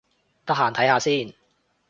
得閒睇下先